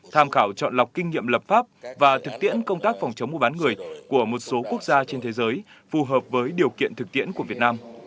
tham khảo chọn lọc kinh nghiệm lập pháp và thực tiễn công tác phòng chống mua bán người của một số quốc gia trên thế giới phù hợp với điều kiện thực tiễn của việt nam